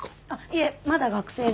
いえまだ学生で。